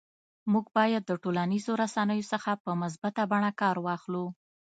موږ باید د ټولنیزو رسنیو څخه په مثبته بڼه کار واخلو